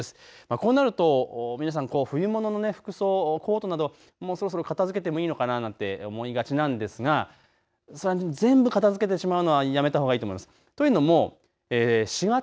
こうなると皆さん冬物の服装、コートなどもうそろそろ片づけてもいいのかななんて思いがちなんですが全部片づけてしまうのはやめたほうがいいと思います。